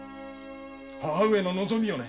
母上の望みをね。